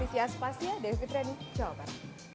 fisya spasya devi fitriani jawa barat